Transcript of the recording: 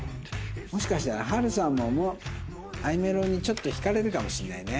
もしかしたらＨＡＬさんもあいめろにちょっと惹かれるかもしれないね。